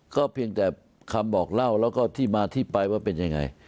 เพียงแต่คำบอกเล่าแล้วก็ที่มาที่ไปว่าเป็นยังไง